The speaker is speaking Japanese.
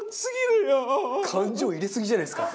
感情入れすぎじゃないですか？